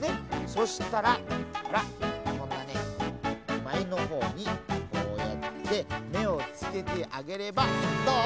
そしたらほらこんなねまえのほうにこうやってめをつけてあげればどう？